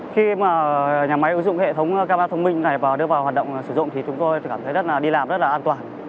khi nhà máy ứng dụng hệ thống camera thông minh này và đưa vào hoạt động sử dụng thì chúng tôi cảm thấy đi làm rất là an toàn